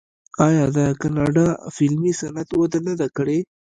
آیا د کاناډا فلمي صنعت وده نه ده کړې؟